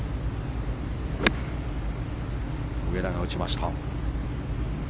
上田が打ちました。